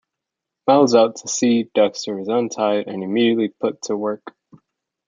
Miles out to sea, Dexter is untied and immediately put to work.